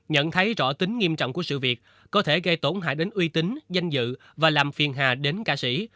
nhận thấy rõ tính nghiêm trọng của sự việc có thể gây tổn hại đến uy tín danh dự và làm phiền hà đến ca sĩ